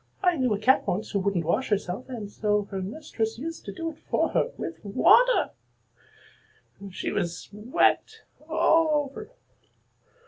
I knew a cat once who wouldn't wash herself, and so her mistress used to do it for her with water, so she was wet all over.